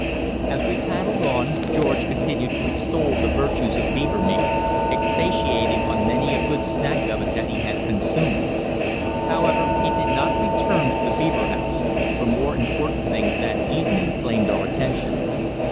As we paddled on, George continued to extol the virtues of beaver meat, expatiating on many a "good snack" of it that he had consumed. However, he did not return to the beaver house, for more important things that evening claimed our attention.